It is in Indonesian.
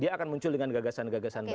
dia akan muncul dengan gagasan gagasan